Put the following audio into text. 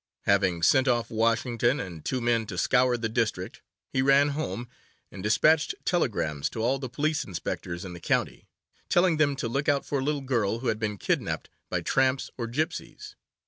Having sent off Washington and the two men to scour the district, he ran home, and despatched telegrams to all the police inspectors in the county, telling them to look out for a little girl who had been kidnapped by tramps or gypsies.